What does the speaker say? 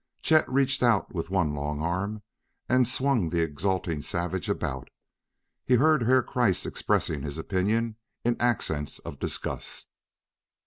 Chet reached out with one long arm and swung the exulting savage about. He heard Herr Kreiss expressing his opinion in accents of disgust.